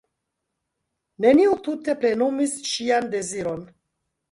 Neniu tute plenumis ŝian deziron.